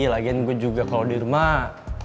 lagian gue juga kalo dirumah